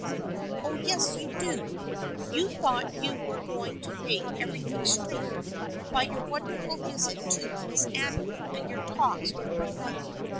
*'" Oh, yes, you do ! You thought you were going to make everything straight by your won derful visit to Miss Abby and your talks with Bertha.